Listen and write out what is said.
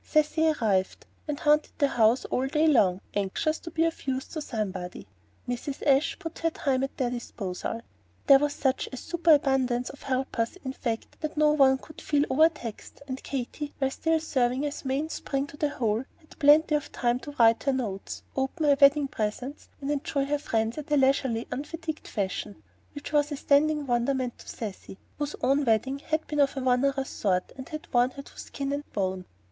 Cecy arrived, and haunted the house all day long, anxious to be of use to somebody; Mrs. Ashe put her time at their disposal; there was such a superabundance of helpers, in fact, that no one could feel over taxed. And Katy, while still serving as main spring to the whole, had plenty of time to write her notes, open her wedding presents, and enjoy her friends in a leisurely, unfatigued fashion which was a standing wonderment to Cecy, whose own wedding had been of the onerous sort, and had worn her to skin and bone.